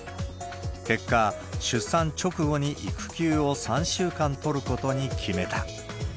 結果、出産直後に育休を３週間取ることに決めた。